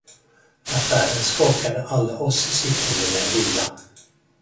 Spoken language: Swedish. Affären skakade alla oss sittande med en villa.